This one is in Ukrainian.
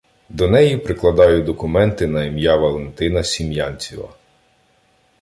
До неї прикладаю документи на ім'я Валентина Сім'янціва.